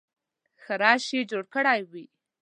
ښه رش یې جوړ کړی وي.